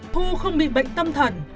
thu không bị bệnh tâm thần